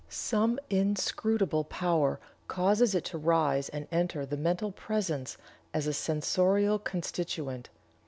Some inscrutable power causes it to rise and enter the mental presence as a sensorial constituent.